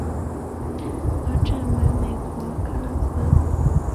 洛根镇区为美国堪萨斯州林肯县辖下的镇区。